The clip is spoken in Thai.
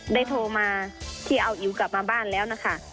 โทรมาที่เอาอิ๋วกลับมาบ้านแล้วนะคะ